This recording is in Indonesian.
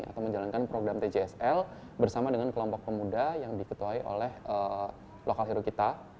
atau menjalankan program tjsl bersama dengan kelompok pemuda yang diketuai oleh lokal hero kita